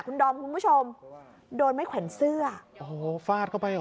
คุณดอมคุณผู้ชมโดนไม่แขวนเสื้อโอ้โหฟาดเข้าไปหรอ